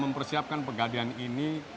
mempersiapkan pegaden ini